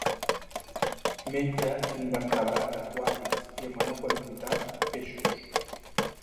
Menja invertebrats aquàtics i, en menor quantitat, peixos.